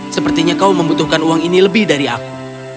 sepertinya kau membutuhkan uang ini lebih dari aku